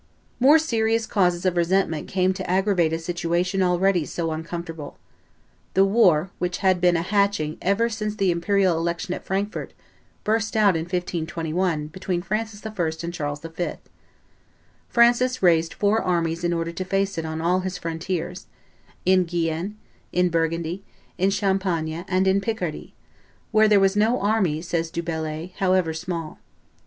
More serious causes of resentment came to aggravate a situation already so uncomfortable. The war, which had been a hatching ever since the imperial election at Frankfort, burst out in 1521, between Francis I. and Charles V. Francis raised four armies in order to face it on all his frontiers, in Guienne, in Burgundy, in Champagne, and in Picardy, "where there was no army," says Du Bellai, "however small."